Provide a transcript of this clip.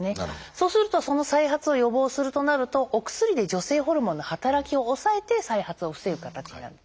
そうするとその再発を予防するとなるとお薬で女性ホルモンの働きを抑えて再発を防ぐ形になる。